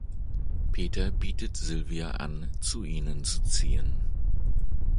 Peter bietet Sylvia an, zu ihnen zu ziehen.